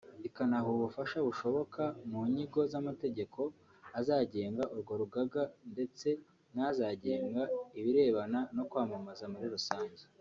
ikanabaha ubufasha bushoboka mu nyigo z’amategeko azagenga urwo rugaga ndetse n’azagenga ibirebana no kwamamaza muri rusange